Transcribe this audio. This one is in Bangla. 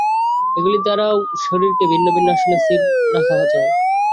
এগুলির দ্বারাও শরীরকে ভিন্ন ভিন্ন আসনে স্থির রাখা যায়।